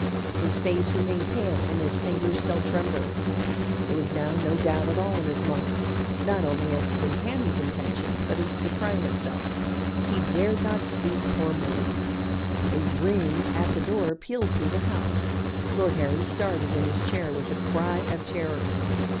His face remained pale and his fingers still trembled. There was now no doubt at all in his mind, not only as to Vimpany's intentions, but as to the crime itself. He dared not speak or move. A ring at the door pealed through the house. Lord Harry started in his chair with a cry of terror.